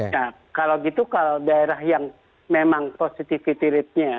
nah kalau gitu kalau daerah yang memang positivity ratenya